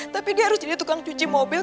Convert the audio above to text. tapi dia harus jadi tukang cuci mobil